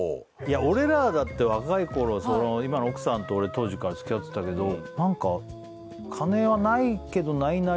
俺らだって若い頃今の奥さんと俺当時から付き合ってたけどなんか金はないけどないなりにはあれだったよ。